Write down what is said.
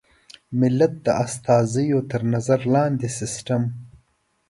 ملت د استازیو تر نظر لاندې سیسټم.